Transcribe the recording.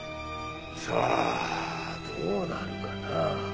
さあどうなるかな。